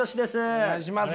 お願いします。